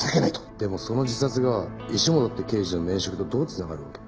でもその自殺が石本って刑事の免職とどう繋がるわけ？